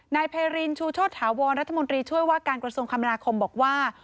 นายไพรินชูโชธาวรรัฐมนตรีช่วยว่าการกระทรวงคมนาคมบอกว่า